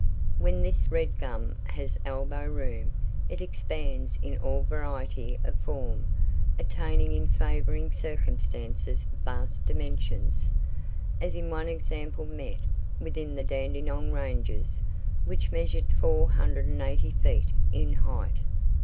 When this "redgum" has elbow room, it expands in all variety of form, attaining in favouring circumstances vast dimensions, as in one example met with in the Dandenong Ranges, which measured 480 feet in height.